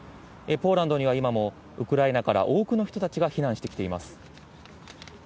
ポーランドには今も、ウクライナから多くの人たちが避難してきています。